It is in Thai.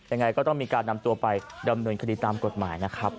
ยังไงก็ต้องมีการนำตัวไปดำเนินคดีตามกฎหมายนะครับ